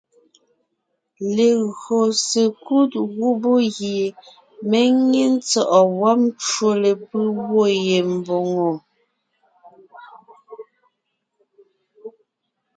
Legÿo sekúd gubé gie mé nyé ntsɔ̂ʼɔ wɔ́b ncwò lepʉ́ gwɔ̂ ye mbòŋo,